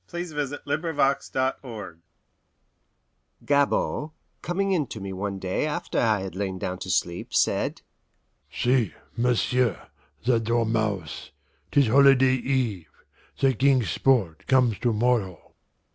AS VAIN AS ABSALOM Gabord, coming in to me one day after I had lain down to sleep, said, "See, m'sieu' the dormouse, 'tis holiday eve; the King's sport comes to morrow."